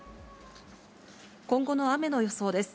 今後の雨の予想です。